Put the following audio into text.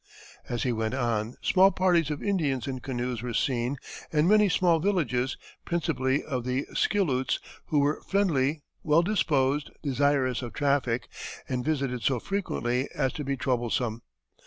As he went on, small parties of Indians in canoes were seen and many small villages, principally of the Skilloots, who were friendly, well disposed, desirous of traffic, and visited so frequently as to be troublesome.